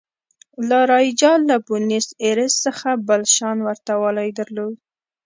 لا رایجا له بونیس ایرس څخه بل شان ورته والی درلود.